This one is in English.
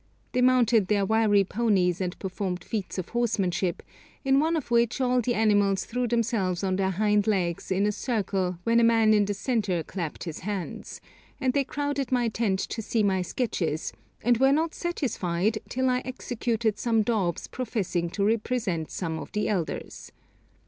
They mounted their wiry ponies and performed feats of horsemanship, in one of which all the animals threw themselves on their hind legs in a circle when a man in the centre clapped his hands; and they crowded my tent to see my sketches, and were not satisfied till I executed some daubs professing to represent some of the elders.